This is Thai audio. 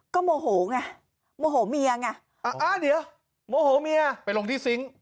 ก็โมโหไงโมโหเมียไงอ่าอ่าเดี๋ยวโมโหเมียไปลงที่ซิงค์